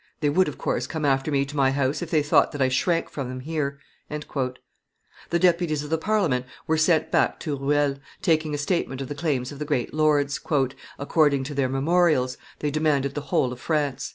They would, of course, come after me to my house if they thought that I shrank from them here." The deputies of the Parliament were sent back to Ruel, taking a statement of the claims of the great lords: "according to their memorials, they demanded the whole of France."